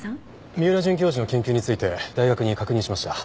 三浦准教授の研究について大学に確認しました。